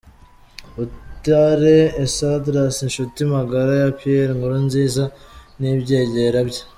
Butare Esdras inshuti magara ya Pierre Nkurunziza n’ ibyegera bye